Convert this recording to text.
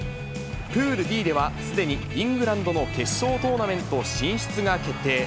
プールＤでは、すでにイングランドの決勝トーナメント進出が決定。